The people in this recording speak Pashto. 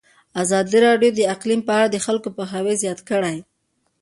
ازادي راډیو د اقلیم په اړه د خلکو پوهاوی زیات کړی.